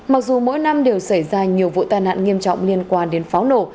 mặc dù mỗi năm đều xảy ra nhiều vụ tai nạn nghiêm trọng liên quan đến pháo nổ